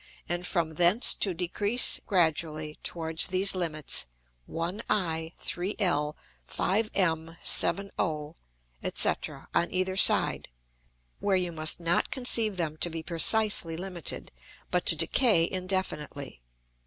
and from thence to decrease gradually towards these limits, 1I, 3L, 5M, 7O, &c. on either side; where you must not conceive them to be precisely limited, but to decay indefinitely.